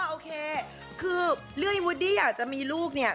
โอเคคือเรื่องไอ้วูดดี้อยากจะมีลูกเนี่ย